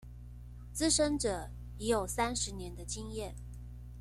資深者已有三十年的經驗